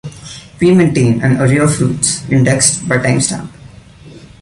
We maintain an array of roots indexed by timestamp.